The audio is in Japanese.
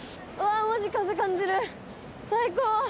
あぁマジ風感じる最高！